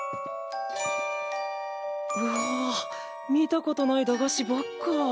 うわ見たことない駄菓子ばっか。